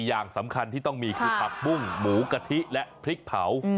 อย่างสำคัญที่ต้องมีคือผักบุ้งหมูกะทิและพริกเผา